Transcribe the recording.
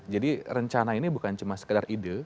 jadi rencana ini bukan cuma sekedar ide